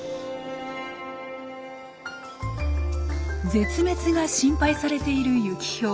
絶滅が心配されているユキヒョウ。